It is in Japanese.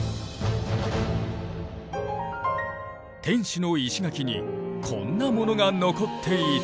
天守の石垣にこんなものが残っていた。